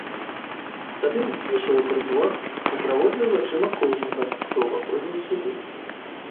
Тады ён увайшоў у прытвор і праводзіў вачыма кожнага, хто ўваходзіў сюды.